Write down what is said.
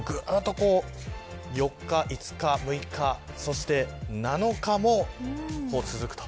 ４日、５日、６日そして７日も続く。